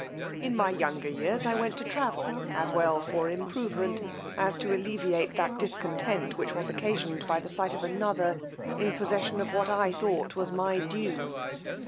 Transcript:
In my younger years I went to travel, as well for improvement, as to alleviate that discontent which was occasioned by the sight of another in possession of what I thought was my due.